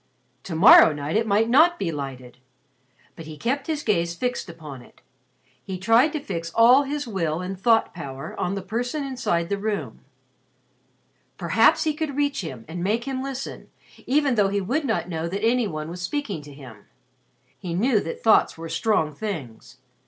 To morrow night it might not be lighted. But he kept his gaze fixed upon it. He tried to fix all his will and thought power on the person inside the room. Perhaps he could reach him and make him listen, even though he would not know that any one was speaking to him. He knew that thoughts were strong things.